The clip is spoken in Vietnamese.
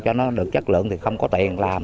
cho nó được chất lượng thì không có tiền làm